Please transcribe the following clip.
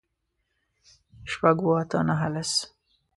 شپږ، اووه، اته، نهه، لس